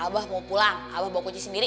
abah mau pulang abah bawa kuci sendiri